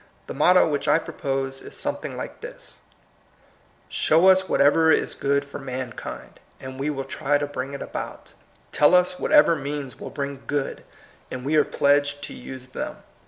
The motto which I propose is something like this :— Show vs whatever is good for mankind^ and we will try to bring it abotU. TeU um whatever means mil bring good^ and we are pledged to use them.